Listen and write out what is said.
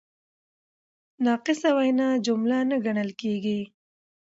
ناقصه وینا جمله نه ګڼل کیږي.